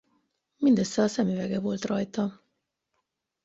Mindössze a szemüvege volt rajta.